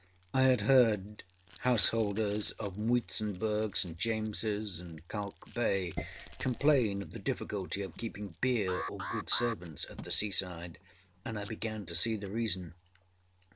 â I had heard householders of Muizenburg, St. Jamesâs, and Kalk Bay complain of the difficulty of keeping beer or good servants at the seaside, and I began to see the reason.